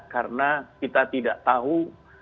karena kita tidak tahu